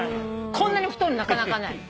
こんなに太いのなかなかない。